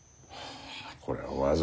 これはわざわざ。